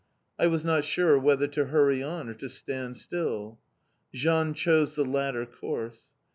I was not sure whether to hurry on, or to stand still. Jean chose the latter course.